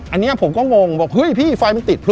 อันนี้ผมก็งงบอกเฮ้ยพี่ไฟมันติด